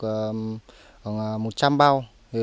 khoảng một trăm linh bao